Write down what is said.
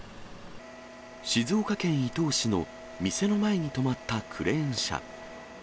静岡県伊東市の店の前に止まったクレーン車。